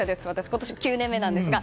今年９年目なんですが。